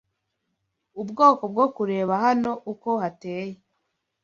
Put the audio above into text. Ubwoko bwo kureba hano uko hateye